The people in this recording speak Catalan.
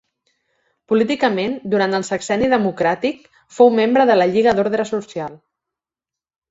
Políticament, durant el sexenni democràtic fou membre de la Lliga d'Ordre Social.